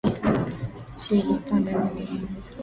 Tilipanda ndege moja